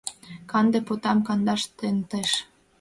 Канде потам — кандаш тентеш